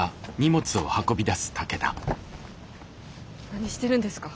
何してるんですか。